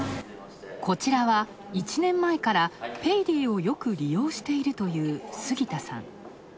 こちらは、１年前からペイディをよく利用しているという杉田さん